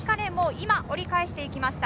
今、折り返していきました。